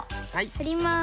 はります。